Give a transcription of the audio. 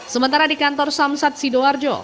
sementara di kantor samsat sidoarjo